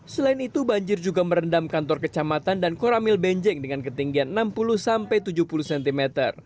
selain itu banjir juga merendam kantor kecamatan dan koramil benjeng dengan ketinggian enam puluh sampai tujuh puluh cm